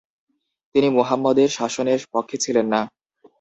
তিনি মুহাম্মদের শাসনের পক্ষে ছিলেন না।